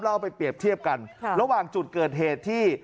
เอาไปเปรียบเทียบกันระหว่างจุดเกิดเหตุที่